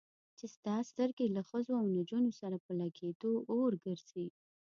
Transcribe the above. چې ستا سترګې له ښځو او نجونو سره په لګېدو اور ګرځي.